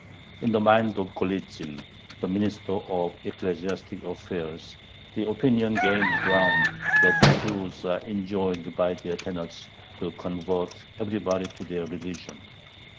In the mind of Golitzin, the Minister of Ecclesiastic Affairs, the opinion gained ground that "the Jews are enjoined by their tenets to convert everybody to their religion."